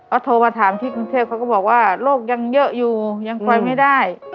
เขาโทรมาถามที่กรุงเทพเขาก็บอกว่าโรคยังเยอะอยู่ยังคอยไม่ได้